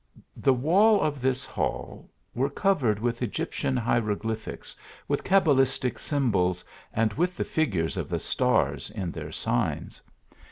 The walls of this hall were cov ered with Egyptian hieroglyphics, with cabalistic symbols, and with the figures of the stars in their signs.